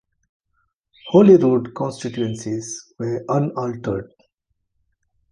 Holyrood constituencies were unaltered.